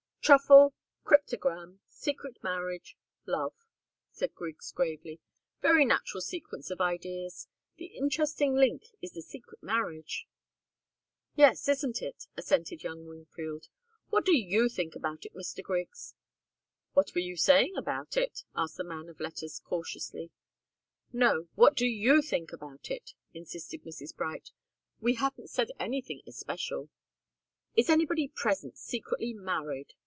"Truffle cryptogam secret marriage love," said Griggs, gravely. "Very natural sequence of ideas. The interesting link is the secret marriage." "Yes, isn't it?" assented young Wingfield. "What do you think about it, Mr. Griggs?" "What were you saying about it?" asked the man of letters, cautiously. "No what do you think about it?" insisted Mrs. Bright. "We hadn't said anything especial." "Is anybody present secretly married?"